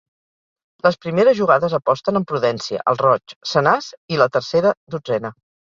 Les primeres jugades aposten amb prudència, al roig, senars i la tercera dotzena.